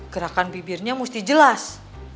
gerakan bibirnya mesti jelas